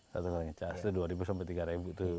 satu kali ngecas itu rp dua sampai rp tiga tuh